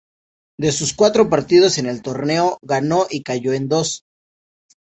De sus cuatro partidos en el torneo, ganó y cayó en dos.